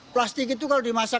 plastik itu kalau dimasak